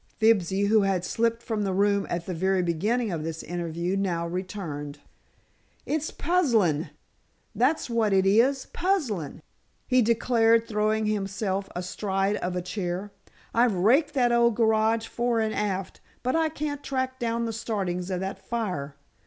Fibsy, who had slipped from the room at the very beginning of this interview, now returned. "It's puzzlin'—that's what it is, puzzlin'," he declared, throwing himself astride of a chair. "I've raked that old garage fore and aft, but I can't track down the startings of that fire.